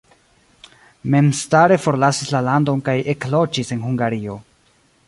Memstare forlasis la landon kaj ekloĝis en Hungario.